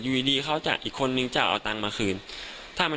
อยู่ดีดีเขาจะอีกคนนึงจะเอาตังค์มาคืนถ้ามัน